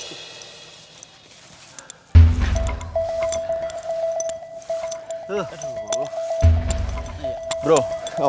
kita pindah ke sana